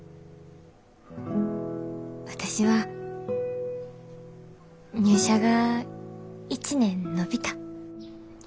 私は入社が１年延びた。